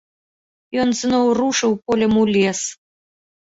Ён зноў рушыў полем у лес.